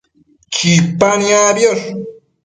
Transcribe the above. Chipa niacbiosh